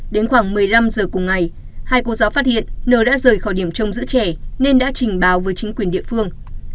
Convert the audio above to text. đến khoảng một mươi năm giờ cùng ngày hai cô giáo phát hiện nờ đã rời khỏi điểm trông giữ trẻ nên đã trình báo với chính quyền địa phương